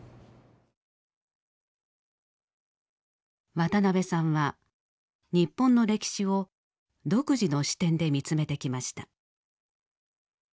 渡辺さんは日本の歴史を独自の視点で見つめてきました。